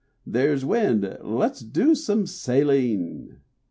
There's wind: let's do some sailing."